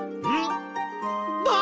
あっ！